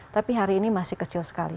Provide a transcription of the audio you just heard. tapi hari ini masih kecil sekali